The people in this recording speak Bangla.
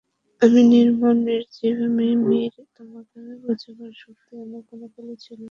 আমি নির্মম, নির্জীব, আমি মূঢ়–তোমাকে বোঝবার শক্তি আমার কোনোকালে ছিল না।